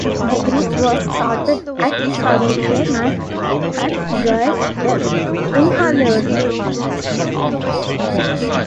The group was started at karaoke night at Guys in Hollywood.